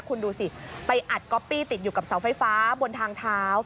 คุณดูสิไปอัดก๊อปปี้ติดอยู่กับเสาไฟฟ้าบนทางเท้า